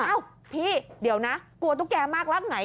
เอ้าพี่เดี๋ยวนะกลัวตุ๊กแกมากแล้วไง